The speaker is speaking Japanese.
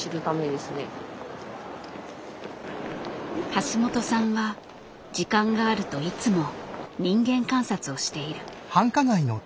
橋本さんは時間があるといつも人間観察をしている。